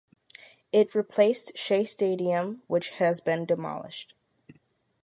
It replaced Shea Stadium, which has been demolished.